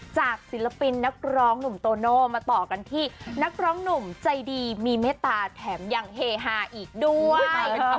ศิลปินนักร้องหนุ่มโตโน่มาต่อกันที่นักร้องหนุ่มใจดีมีเมตตาแถมยังเฮฮาอีกด้วย